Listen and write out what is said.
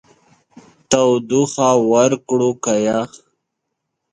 تودوخه ورکړو که يخ؟